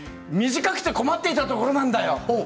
短くて困っていたところなんだよ。